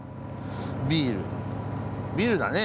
ビールビールだね。